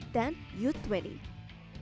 dan u dua puluh indonesia